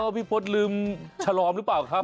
พี่โพดลืมชะลอมรึเปล่าครับ